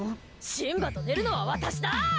シンバと寝るのは私だ！